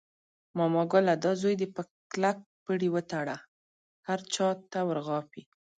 ماما ګله دا زوی دې په کلک پړي وتړله، هر چاته ور غاپي.